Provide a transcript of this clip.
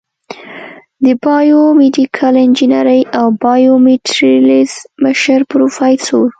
د بایو میډیکل انجینرۍ او بایومیټریلز مشر پروفیسر